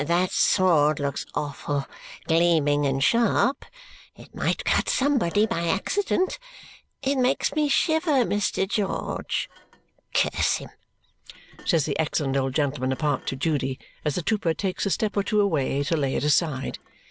But that sword looks awful gleaming and sharp. It might cut somebody, by accident. It makes me shiver, Mr. George. Curse him!" says the excellent old gentleman apart to Judy as the trooper takes a step or two away to lay it aside.